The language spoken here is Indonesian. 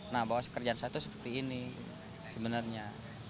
nah bahwa kerjaan saya tuh seperti ini sebenarnya